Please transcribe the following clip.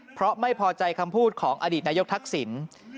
เพราะไม่พอใจคำพูดของอดีตนายกทักษิณ